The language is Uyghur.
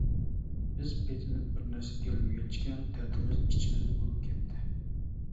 بىز پېتىنىپ بىرنەرسە دېيەلمىگەچكە، دەردىمىز ئىچىمىزدە بولۇپ كەتتى.